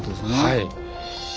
はい。